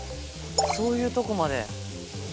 そういうとこまで。